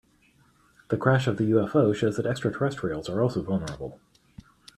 The crash of the UFO shows that extraterrestrials are also vulnerable.